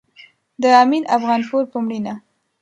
د امين افغانپور په مړينه